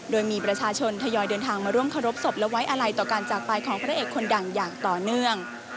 โดยมีประชาชนทยอยเดินทางมาร่วมเคารพศพและไว้อะไรต่อการจากไปของพระเอกคนดังอย่างต่อเนื่อง